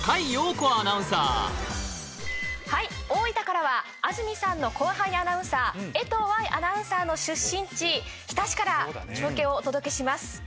蓉子アナウンサーはい大分からは安住さんの後輩アナウンサー江藤愛アナウンサーの出身地日田市から中継をお届けします